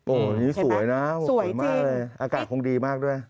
โอ้โหนี่สวยนะสวยมากเลยอากาศคงดีมากด้วย